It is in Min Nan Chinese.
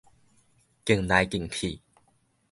勁來勁去